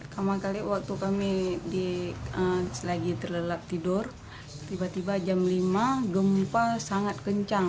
pertama kali waktu kami lagi terlelap tidur tiba tiba jam lima gempa sangat kencang